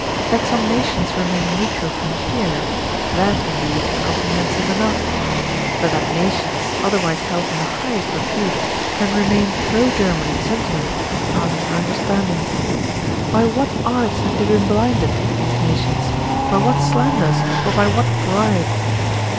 That some nations remain neutral from fear, that indeed is comprehensive enough; but that nations, otherwise held in the highest repute, can remain pro German in sentiment, passes our understanding. By what arts have they been blinded, these nations; by what slanders, or by what bribe?